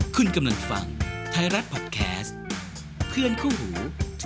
คุณกำลังฟังไทยรัฐพอดแคสต์เพื่อนคู่หู